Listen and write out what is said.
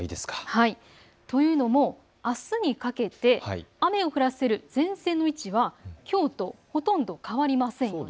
というのも、あすにかけて雨を降らせる前線の位置がきょうとほとんど変わりません。